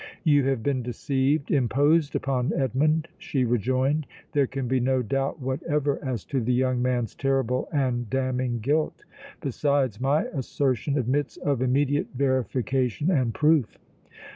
"You have been deceived, imposed upon, Edmond," she rejoined. "There can be no doubt whatever as to the young man's terrible and damning guilt. Besides, my assertion admits of immediate verification and proof.